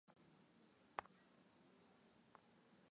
Nyumba hiyo inapendeza sana.